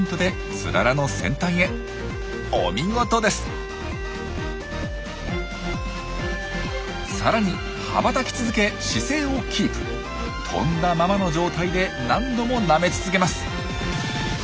飛んだままの状態で何度もなめ続けます。